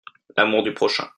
L'amour du prochain.